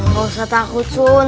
gak usah takut sun